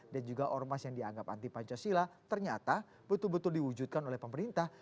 dan juga ormas yang dianggap anti pancasila ternyata betul betul diwujudkan oleh pemerintah